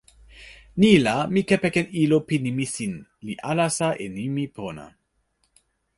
ni la, mi kepeken ilo pi nimi sin, li alasa e nimi pona.